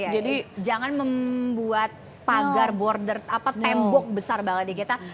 jadi jangan membuat pagar border apa tembok besar banget di kita